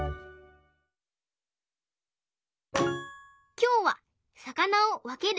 きょうはさかなをわける！